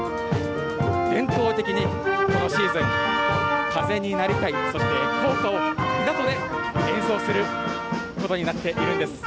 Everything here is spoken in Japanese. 伝統的にこのシーズン、風になりたい、そして校歌を港で演奏することになっているんです。